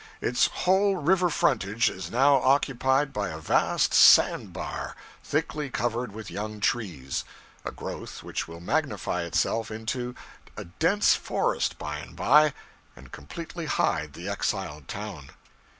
Its whole river frontage is now occupied by a vast sand bar, thickly covered with young trees a growth which will magnify itself into a dense forest by and bye, and completely hide the exiled town.